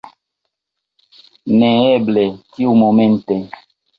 Neeble, tiumomente.